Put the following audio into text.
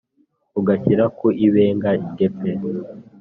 ugashyira ku ibega rye pe